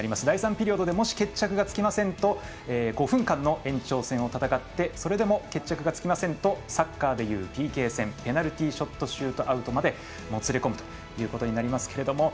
第３ピリオドでもし決着がつきませんと５分間の延長戦を戦ってそれでも決着がつきませんとサッカーでいうＰＫ戦ペナルティーショットシュートアウトまでもつれ込むということになります。